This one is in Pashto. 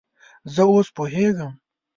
زه اوس پوهیږم